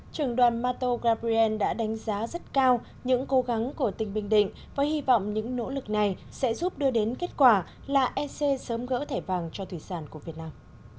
trường đoàn mato gabriel đã đánh giá rất cao những cố gắng của tỉnh bình định và hy vọng những nỗ lực này sẽ giúp đưa đến kết quả là ec sớm gỡ thẻ vàng cho thủy sản của việt nam